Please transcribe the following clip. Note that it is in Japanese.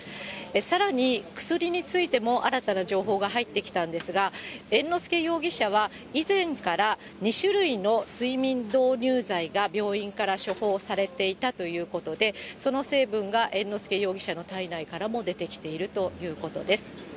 さらに、薬についても新たな情報が入ってきたんですが、猿之助容疑者は以前から２種類の睡眠導入剤が病院から処方されていたということで、その成分が猿之助容疑者の体内からも出てきているということです。